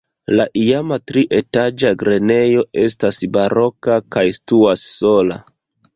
La iama trietaĝa grenejo estas baroka kaj situas sola.